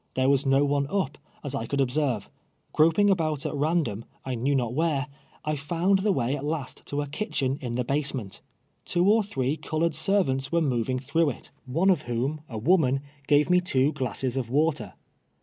There was no one up, as I could observe. Ciroping about at random, I knew not where, I found the way at last to a kitchen in the basement. Two or three colored servants were moving through it, one THE TOEMEXT OF THIRST. 37 of M'lioni, a woHiaii, g'avo nic two ^ lasses of water.